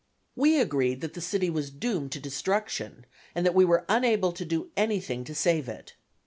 We agreed that the city was doomed to destruction, and that we were unable to do anything to save it.